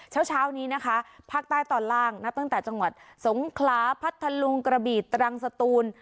เช้านี้นะคะภาคใต้ตอนล่างนับตั้งแต่จังหวัดสงขลาพัทธลุงกระบีตรังสตูน